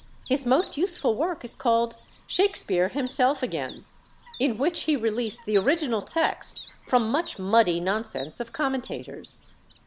His most useful work is called Shakspere Himself Again, in which he released the original text from much muddy nonsense of commentators.